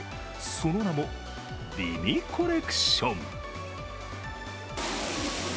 その名も、美味コレクション。